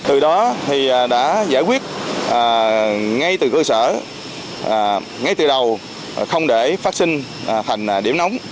từ đó thì đã giải quyết ngay từ cơ sở ngay từ đầu không để phát sinh thành điểm nóng